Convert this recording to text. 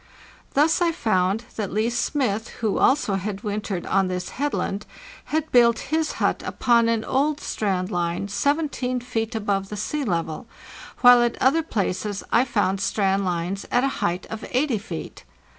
Thus I found that Leigh Smith, who also had wintered on this head land, had built his hut upon an old strand line 17 feet above the sea level, while at other places I found strand 558 FARTHEST NORTH lines at a height of 80 feet.